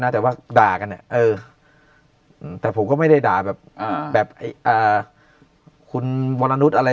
นะแต่ว่าด่ากันแต่ผมก็ไม่ได้ด่าแบบแบบคุณวรรณุษย์อะไร